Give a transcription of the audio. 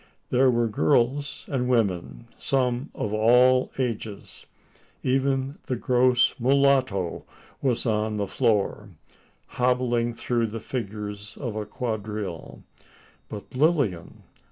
There were girls and women some of all ages. Even the gross mulatto was "on the floor," hobbling through the figures of a quadrille. But Lilian?